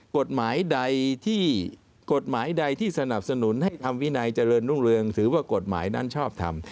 กฎหมายใดที่สนับสนุนให้ธรรมวินัยเจริญรุ่งถือว่ากฎหมายนั้นชอบทำ